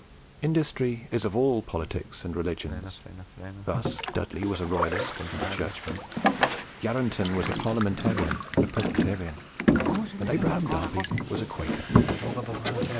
Industry is of all politics and religions: thus Dudley was a Royalist and a Churchman, Yarranton was a Parliamentarian and a Presbyterian, and Abraham Darby was a Quaker.